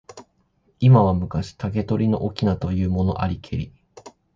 今は昔、竹取の翁というものありけり。